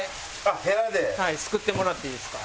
すくってもらっていいですか？